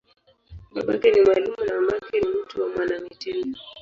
Babake ni mwalimu, na mamake ni mtu wa mwanamitindo.